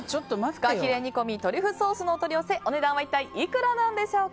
ふかひれ煮込みトリュフソースのお取り寄せお値段は一体いくらなんでしょうか。